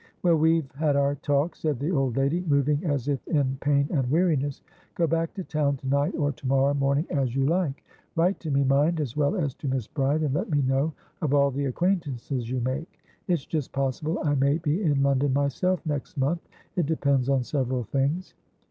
"Well, we've had our talk," said the old lady, moving as if in pain and weariness. "Go back to town to night or to morrow morning, as you like. Write to me, mind, as well as to Miss Bride, and let me know of all the acquaintances you make. It's just possible I may be in London myself next month; it depends on several things."